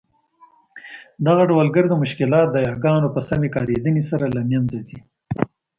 دغه ډول ګرده مشکلات د یاګانو په سمي کارېدني سره له مینځه ځي.